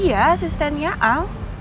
iya asistennya al